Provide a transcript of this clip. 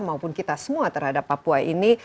maupun kita semua terhadap papua ini